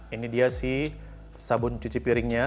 ini dia si sabun cuci piringnya